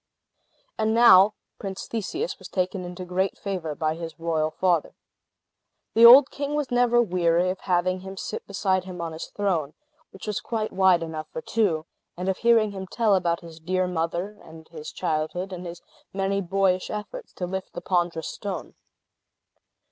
And now Prince Theseus was taken into great favor by his royal father. The old king was never weary of having him sit beside him on his throne (which was quite wide enough for two), and of hearing him tell about his dear mother, and his childhood, and his many boyish efforts to lift the ponderous stone.